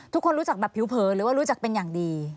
ทุกคนรู้จักแบบผิวเผลอหรือว่ารู้จักเป็นอย่างดี